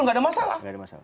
nggak ada masalah